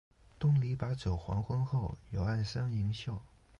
东篱把酒黄昏后，有暗香盈袖